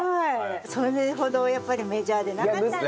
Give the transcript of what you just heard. それほどやっぱりメジャーでなかったんですね。